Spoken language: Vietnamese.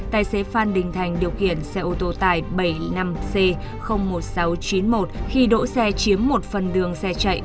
tài xế phan đình thành điều khiển xe ô tô tải bảy mươi năm c một nghìn sáu trăm chín mươi một khi đỗ xe chiếm một phần đường xe chạy